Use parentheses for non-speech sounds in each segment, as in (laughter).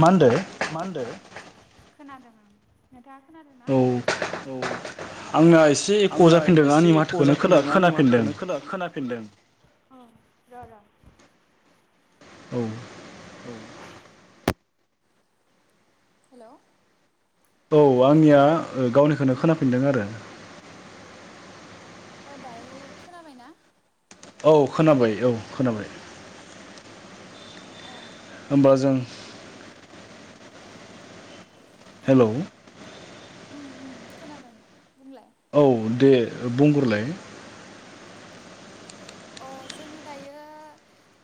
मा होनदो मा होनदो? खोनादों आं। नोंथाङा खोनादों ना औ आंना एसे औ एख' आंना जाफिनदों आंनि एसे एख' माथोखौनो खोला जाफिनदों आंनि खोनाफिनदों माथोखोनो खोना खोनाफिनदों। औ र' र'। औ। औ। हेल' औ आंनिया गावनिखौनो खोनाफिनदों आरो। अ दायो खोनाबायना? औ खोनाबाय औ खोनाबाय। अ होमबा जों हेल' ओम ओम खोनादों बुंलाय। औ दे बुंगोरलाय। अ जोङो दायो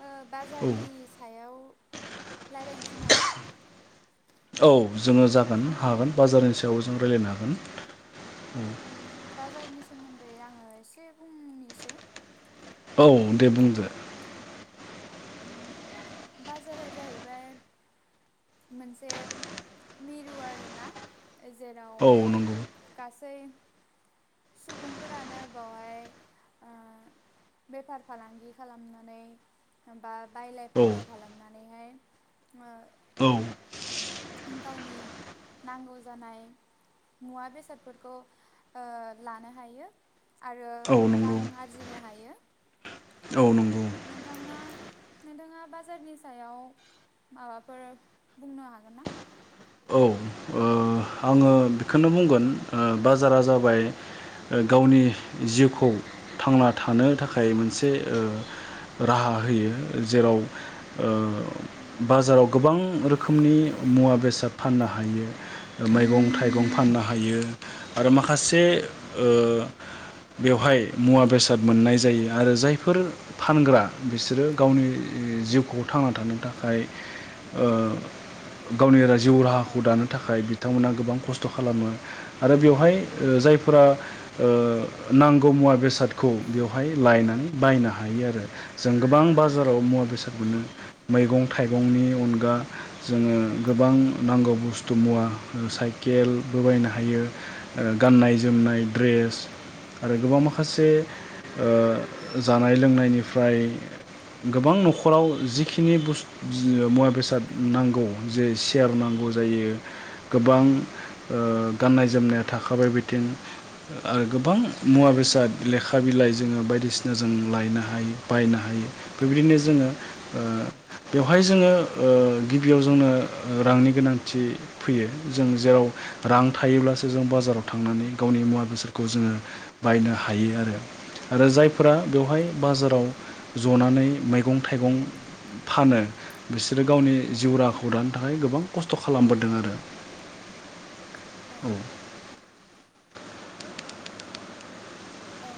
ओ औ बाजारनि सायाव रायलायनोसै नामा? औ। जोङो जागोन हागोन बाजारनि सायाव जों रायलायनो हागोन। ओम बाजारनि सा सोमोन्दै आङो एसे बुंनोसै औ दे बुंदो। बाजारा जाहैबाय मोनसे मिरु आरोना। औ जेरावहाय नंगौ गासै सुबुंफोरानो बावहाय ओ बेफार फालांगि खालामनानै बा बायलाय औ फानलाय खालामनान (unintelligible) औ गावनि नांगौ जानाय मुवा बेसादफोरखौ ओ लानो हायो। आरो औ रां नंगौ आर जिनो हायो। औ नंगौ नोंथांना नोंथाङा बाजारनि सायाव माबाफोर बुंनो हागोनना? बेखोनो बुंगोन ओ बाजारा जाबाय गावनि जिउखौ थांना थानो थाखाय मोनसे ओ राहा होयो जेराव ओ बाजाराव गोबां रोखोमनि मुवा बेसाद फाननो हायो। मैगं थाइग बाहायो आरो माखा से ओ बेवहाय मुवा बेसाद मोननाय जायो आरो जायफोर फानग्रा बिसोरो गावनि जिउखौ थांना थानो थाखाय ओ गावनि राय जिउ राहाखौ दानो थाखाय बिथांमोना गोब खस्थ थ खालामो आरो बेवहाय जायफोरा ओ नांगौ मुवा बेसादखौ बेवहाय लायनानै बायनो हायो आरो जों गोबां बा बाजाराव मुवा बेसाद मोनो। मैगं थाइगंनि अनगा जोङो गोबां नांगौ बुस्थु मुवा ओ साय केेलबो बायनो हायो ओ गाननाय जोमनाय द्रेस आरो गोबां माखासे ओ जानाय लोंनायनिफ्राय गोबां नखराव जिखिनि बुस जि मुवा बेसाद नांगौ जे सेयार नांगौ जायो गोबां ओ गाननाय जोमनाया थाखाबाय बिथिं आरो गोबां मुवा बेसाद लेखा बिलाइ जोङो बायदिसिना जों लायनो हायो बायनो हायो। बेबायदिनो जोङो ओ बेवहाय जोङो ओ गिबियाव जोंनो रांनि गोनांथि फैयो जों जेराव रां थायोब्लासो जों बाजाराव थांनानै गावनि मुवा बेसादखौ जोङो बायनो हायो आरो आरो जायफोरा बेवहाय बाजाराव जनानै मै गं थाइगं फानो बिसोरो गावनि जिउ राहाखौ दानो थाखाय गोबां खस्थ खालामबोदों आरो। औ औ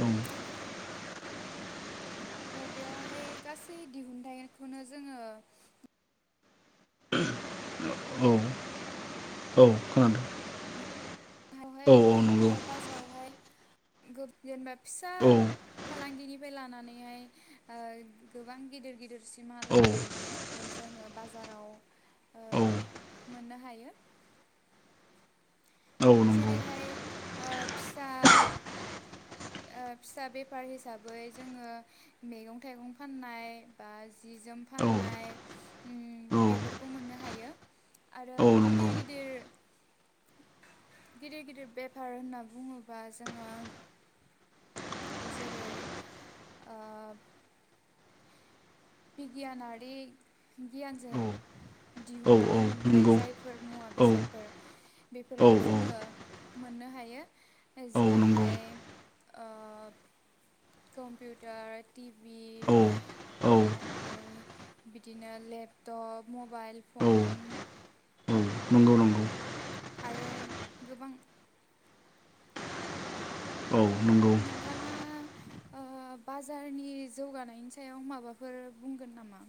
ओं औ बेवहाय गासै दिहुनथाइखौनो जोङो (inaudible) औ औ खोनादों। औ औ नंगौ। बाजारावहाय गोग गो जेनेबा फिसा औ फालांगिनिफ्राय लानानैहाय ओ गोबां गिदिर गिदिर औ सिमहालागै ओ जोङो बाजाराव ओ मोननो हायो। औ नंगौ जेरैहाय ओ फिसा ओ फिसा बेफार हिसाबै जोङो मैगं थाइगं फाननाय बा जि जोम औ फाननाय ओम औ नंगौ बेफोरखौ मोननो हायो औ आरो गिदिर नंगौ गिदिर गिदिर गिदिर बेफार होनना बुङोबा जोङो जेरै ओ बिगियानारि गियानजों औ दिहुननानै मोननाय जायफोर मुवा बेसादफोर बेफोरखौ जोङो मोननो हायो औ नंगौ जेरैहाय ओ कम्पिउटार टिभि औ औ ओमफाय बिदिनो लेपटप मबाइल औ फन नंगौ नंगौ आरो गोबां औ नंगौ नोंथाङा बाजारनि जौगानायनि सायाव माबाफोर बुंगोन नामा?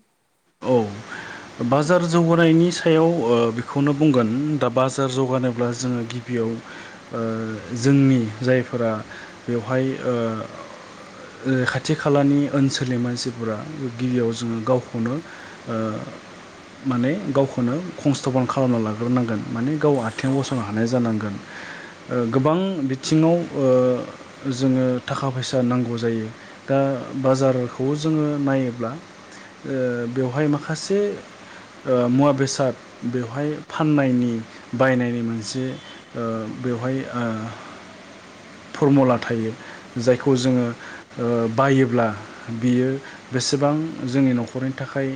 औ बाजार जौगानायनि सायाव बेखौनो बुंगोन दा बाजार जौगानोब्ला जोङो गिबियाव जोंनि जायफोरा बेवहाय खाथि खालानि ओनसोलनि मानसिफोरा गिबियाव जोङो गावखौनो माने गावखौनो खंस्थपन खालामना लाग्रोनांगोन माने गाव आथिं गसंनो हानाय जानांगोन। गोबां बिथिङाव ओ जोङो थाखा फैसा नांगौ जायो दा बाजारखौ जोङो नायोब्ला ओ बेवहाय माखासे मुवा बेसाद बेवहाय फाननायनि बायनायनि मोनसे ओ बेवहाय ओ फरमुला थायो। जायखौ जोङो बायो ब्ला बियो बेसेबां जोंनि नखरनि थाखाय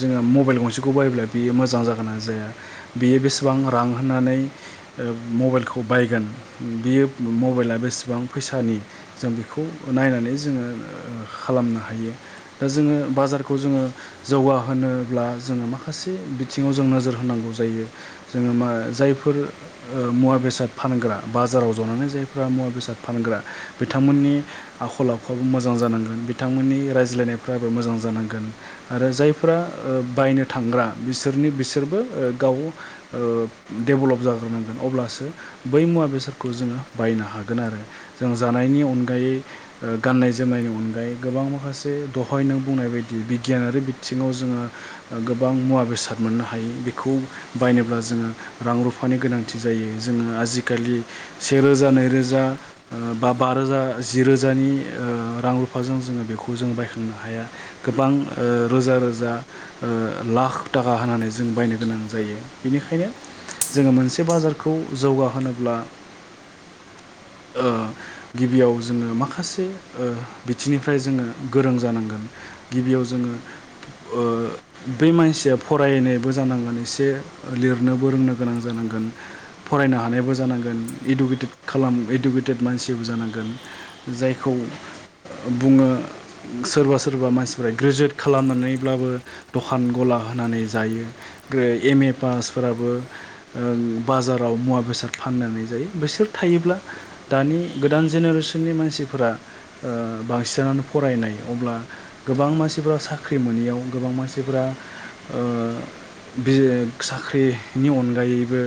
जोङो मबाइल गंसेखौ बायोब्ला बियो मोजां जागोना जाया बेयो बेसेबां रां होनानै मबाइलखौ खौ बायगोन बियो मबाइला बेसेबां फैसानि जों बेखौ नायनानै जोङो खालामनो हायो दा जोङो बाजारखौ जोङो जौगा होनोब्ला जोङो माखासे बिथिङाव जों नोजोर होनांगौ जायो जोङो मा जायफोर ओ मुवा बेसाद फानग्रा बाजाराव जनानै जायफ्रा मुवा बेसाद फानग्रा बिथांमोननि आखल आखुवो मोजां जानांगोन बिथांमोननि रायज्लायनायफ्राबो मोजां जानांगोन आरो जाय फो फोरा बायनो थांग्रा बिसोरनि बिसोरबो गाव डेभेलेप जाग्रोनांगोन अब्लासो बै मुवा बेसादखौ जोङो बायनो हागोन आरो जों जानायनि अनगायै गाननाय जोमनायनि अनगायै गोबां माखासे दहय नों बुंनाय बायदि बिगियान आरि थिङाव जोङो गोबां मुवा बेसाद मोननो हायो बेखौ बायनोब्ला जोङो रां-रुफानि गोनांथि जायो जोङो आजिखालि सेरोजा नैरोजा बा बा रोजा जि रोजानि ओ रां-रुफाजों जोङो बेखौ जों बायखांनो हाया गोबां ओ रोजा ओ लाख थाखा होनानै जों बायनो गोनां जायो। बेनिखायनो जोङो मोनसे बाजारखौ जौगाहोनोब्ला ओ गिबियाव जोङो माखासे ओ बिथिंनिफ्राय जोङो गोरों जानांगोन गिबियाव जोङो ओ बै मानसिया फरायनायबो जानांगोन एसे लिरनोबो रोंनो गोनां जानांगोन फरायनो हानायाबो जानांगोन इडुेटेट खालाम इडुकेटेट मानसिबो जानांगोन जायखौ बुङो सोरबा सोरबा मानसिफ ग्रेजुवेट खालामनानैब्लाबो दखान गला होनानै जायो। एम ए पासफोराबो ओ बाजाराव मुवा बेसाद फाननानै जायो बिसोर थायोब्ला दानि गोदान जेनेरेसननि मानसिफोरा ओ बांसिनानो फरायनाय अब्ला गोबां मानसिफोरा सा ख्रि मोनैयाव गोबां मानसिफोरा ओ बि साख्रिनि अनगायैबो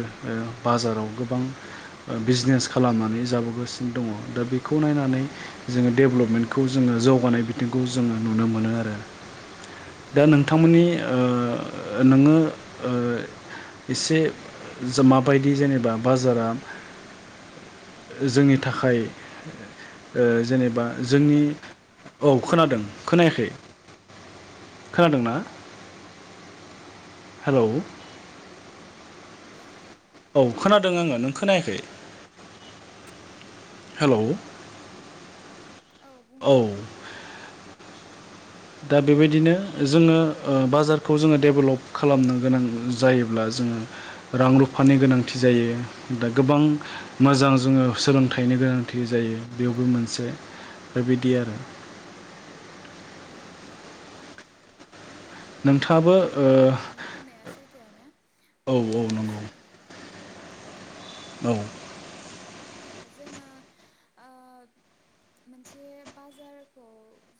बाजाराव गोबां बिजनेस खालामनानै जाबो बोगासिनो दङ दा बे खौ नायनानै जोङो डेभेलपमेन्ट बेखौ जोङो जौगानाय बिथिंखौ जोङो नुनो मोनो आरो दा नोंथांमोननि ओ नोङो ओ एसे माबायदि जेनेबा बाजारा जोंनि थाखाय ओ जेनेबा जोंनि औ खोनादों खोनायाखै खोनादोंना? हेल' हेल' औ खोनादों आङो नों खोनायाखै हेल' औ बुंलाय दे दा बेबायदिनो जोङो ओ बाजारखौ जोङो डेभेलप खालामनो गोनां जायोब्ला जोङो रां-रुफानि गोनांथि जायो। दा गोबां मोजां जोङो सोलोंथाइनि गोनांथि जायो बेयावबो मोनसे बेबायदि आरो औ औ नोंथाङाबो नंगौ ओ नोंथांनि बुंनाया सैथोआनो औ दा नंगौ औ औ जोङो ओ मोनसे बाजारखौ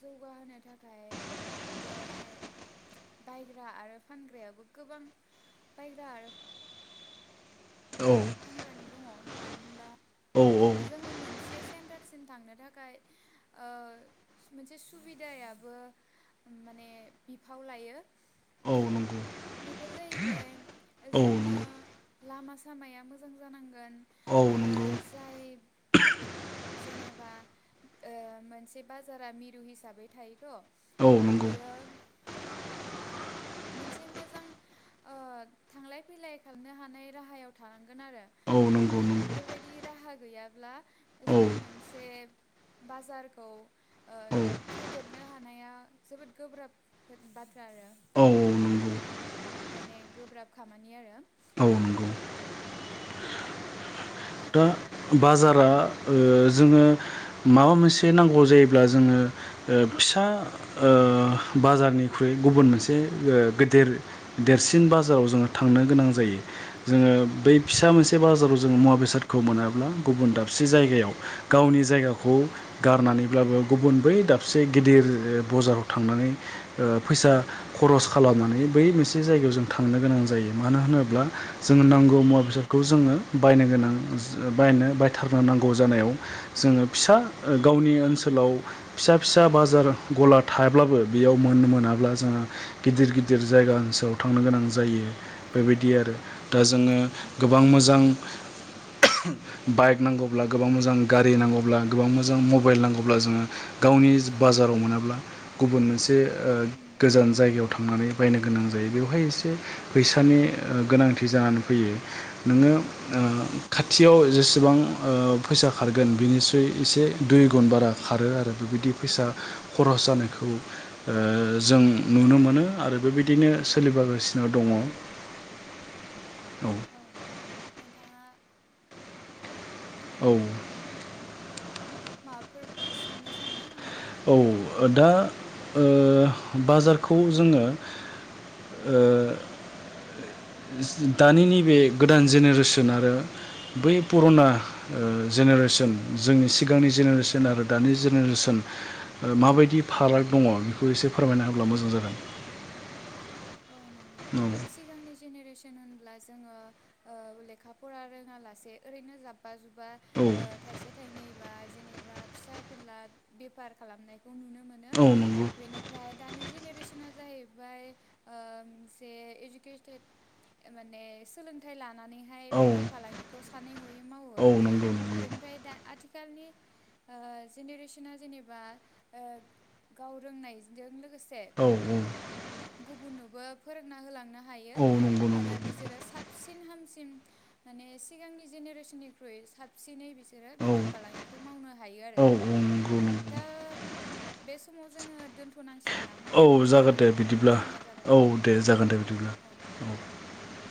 जौगाहोनो थाखाय बेवहाय बायग्रा आरो फानग्रायाबो गोबां बायग्रा आरो फानग्रानि दङ मानबा औ जोङो मोनसे सेन्टारसिम थांनो थाखाय ओ मोनसे सुबिदायाबो माने बिफाव लायो। औ नंगौ बेफोर जाहैबाय औ नंगौ जोङो लामा सामाया मोजां जानांगौ औ ओ आरो नंगौ जाय जेनेबा ओ मोनसे बाजारा मिरु हिसाबै थायो औ (unintelligible) नंगौ बियो मोनसे मोजां ओ थांलाय फैलाय खालामनो हानाय राहायाव थानानै आरो औ नंगौ माने नंगौ बेफोरबायदि राहा गैया। अब्ला औ जोङो मोनसे बाजारखौ ओ औ फेदेरनो हानाया जोबोद गोब्राब बाथ्रा आरो औ नंगौ माने गोब्राब खामानि आरो औ नंगौ दा बाजारा ओ जोङो माबा मोनसे नांगौ जायोब्ला जोङो ओ फिसा ओ बाजारनिख्रुइ गुबुन मोनसे ओ गेदेर देरसिन बाजाराव जोङो थांनो गोनां जायो जोङो बै फिसा मोनसे बाजाराव जोङो मुवा बेसाद गुबुन दाबसे जायगायाव गावनि जायगाखौ गारनानैब्लाबो गुबुन बै दाब सबसे गेदेर बजाराव थांनानै ओ फैसा खरस खालामनानै बै मोनसे जायगायाव जों थांनो गोनां जायो मानो होनोबा जोङो नांगौ मुवा बेसादखौ जोङो बायनो गोनां बायनो बायथारनो नांगौ जानायाव जोङो फिसा गावनि ओनसोलाव फिसा फिसा बाजार गला थायाब्लाबो बेयाव मोन मोनाब्ला जोंहा गिदिर गिदिर जायगा ओनसोलाव थांनो गोनां जायो बेबायदि आरो दा जोङो गोबां मोजां बाइक नांगौब्ला गोबां मोजां गारि नांगौब्ला गोबां मोजां मबाइल नांगौब्ला जोङो गावनि बाजाराव मोनाब्ला गुबुन मोनसे बे ओ गोजान जायगायाव थांनानै बायनो गोनां जायो बेवहाय एसे फैसानि गोनांथि जानानै फैयो नोङो ओ खाथियाव जेसेबां ओ फैसा खारगोन बिनिसय एसे दुइ गुन बारा खारो आरो बेबायदि फैसा खरस जानायखौ ओ जों नुनो मोनो आरो बेबायदिनो सोलिबोगासिनो दङ। औ नोंथाङा औ। माबाफोर सोंनो सान्दों आंनाव? औ दा ओ बाजारखौ जोङो ओ दानि नैबे गोदान जेनेरेसन आरो बै पुराना जेनेरेसन जोंनि सिगांनि जेनेरेसन आरो दानि जेनेरेसन ओ माबायदि फाराग दङ बेखौ एसे फोरमायना होब्ला मोजां जागोन। औ नंगौ औ सिगांनि जेनेरेसन होनब्ला जोङो लेखा फरा रोङा लासे ओरैनो जाब जबा जुबबा औ थाइसे थाइनै बा जेनेबा फिसा फेनला बेफार खालामनाय खौ नुनो मोनो औ नंगौ बेनिफ्राय दानि जेनेरेसना जाहैबाय ओ मोनसे इडुकेटेड माने सोलोंथाइ ला नानैहाय औ बेफार फालांगिखौ सानै हयै मावो औ नंगौ नंगौ बेनिफ्राय दा आथिखालनि ओ जेनेरेसना जेनेबा ओ गाव रोंनायजों लोगो औ औ उननोबो फोरोंना होलांनो हा हायो औ नंगौ आरो नंगौ बिसोरो साबसिन हामसि सिन माने सिगांनि जेनेरेसननिख्रुइ साबसिनै बिसि बिसोरो औ बेफार फालांगिखौ मावनो हायो आरो औ नंगौ दा नंगौ बे समाव जोङो दोनथनांसिगोन नामा जोंना दिब्ला औ दे जागोन दे बिदिब्ला औ